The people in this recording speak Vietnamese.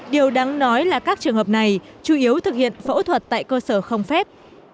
điều đáng nói là các trường hợp này chủ yếu thực hiện phẫu thuật tại cơ sở không phép